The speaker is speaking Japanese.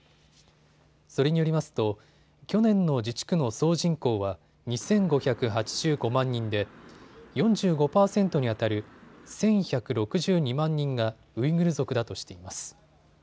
それによりますと去年の自治区の総人口は２５８５万人で４５％にあたる１１６２万人がウイグル族だとしています。